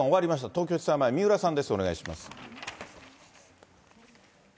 東京地裁前、三浦さんです、お願いします。